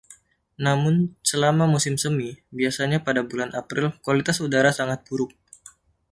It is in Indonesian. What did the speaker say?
Namun, selama Musim Semi, biasanya pada bulan April, kualitas udara sangat buruk.